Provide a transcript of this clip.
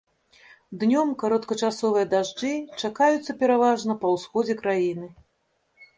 Днём кароткачасовыя дажджы чакаюцца пераважна па ўсходзе краіны.